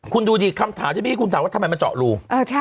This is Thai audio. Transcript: คุณดูดิคำถามที่เมื่อกี้คุณถามว่าทำไมมาเจาะรู